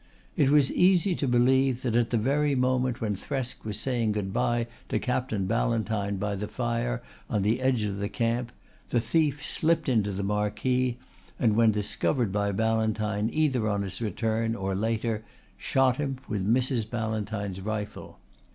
It was easy to believe that at the very moment when Thresk was saying goodbye to Captain Ballantyne by the fire on the edge of the camp the thief slipped into the marquee, and when discovered by Ballantyne either on his return or later shot him with Mrs. Ballantyne's rifle.